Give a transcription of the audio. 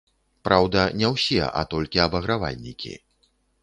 Праўда, не ўсе, а толькі абагравальнікі.